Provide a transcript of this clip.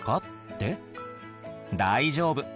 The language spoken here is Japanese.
大丈夫。